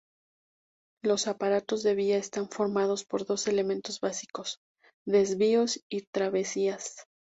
Los aparatos de vía están formados por dos elementos básicos: desvíos y travesías.